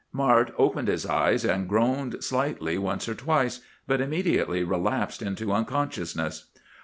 Mart opened his eyes, and groaned slightly once or twice, but immediately relapsed into unconsciousness.